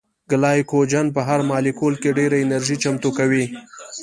ګلایکوجن په هر مالیکول کې ډېره انرژي چمتو کوي